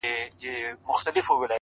ضمیر غواړم چي احساس د سلګو راوړي،